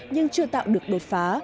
nhưng chưa tạo được đột phá